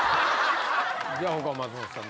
じゃあ他松本さん